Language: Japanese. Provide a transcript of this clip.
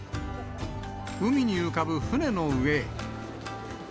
海に浮かぶ船の上へ。